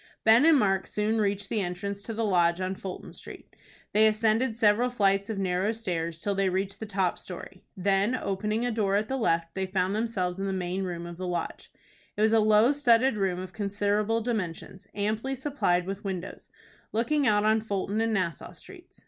Ben and Mark soon reached the entrance to the Lodge on Fulton Street. They ascended several flights of narrow stairs till they reached the top story. Then, opening a door at the left, they found themselves in the main room of the Lodge. It was a low studded room of considerable dimensions, amply supplied with windows, looking out on Fulton and Nassau Streets.